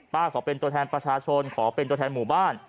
ขอเป็นตัวแทนประชาชนขอเป็นตัวแทนหมู่บ้าน